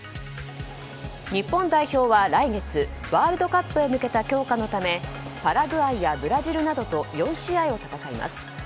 日本代表は来月ワールドカップへ向けた強化のためパラグアイやブラジルなどと４試合を戦います。